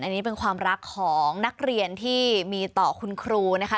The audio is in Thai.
อันนี้เป็นความรักของนักเรียนที่มีต่อคุณครูนะคะ